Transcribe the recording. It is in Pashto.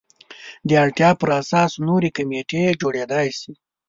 د اړتیا پر اساس نورې کمیټې جوړېدای شي.